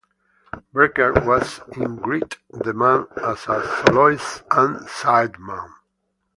Brecker was in great demand as a soloist and sideman.